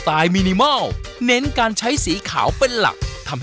เดียวไปพี่ก๊อบเลยแล้ว